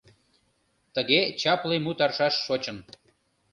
Тыге чапле мут аршаш шочын